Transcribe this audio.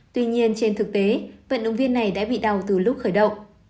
tuy nhiên trên thực tế vận động viên này đã bị đau từ lúc khởi động